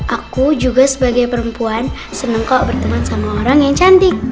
aku juga sebagai perempuan senang kok berteman sama orang yang cantik